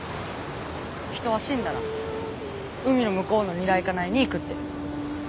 人は死んだら海の向こうのニライカナイに行くって。